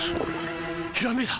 ひらめいた！